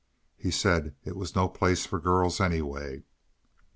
He said it was no place for girls, anyway.